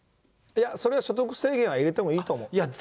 それは所得制限は入れてもいいと思う。